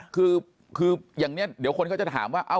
คืออย่างนี้เดี๋ยวคนเขาจะถามว่า